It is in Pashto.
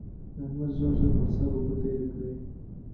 احمد ژر ژر پر سر اوبه تېرې کړې.